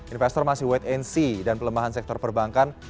investor masih wait and see dan pelemahan sektor perbankan